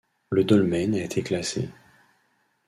Le dolmen a été classé.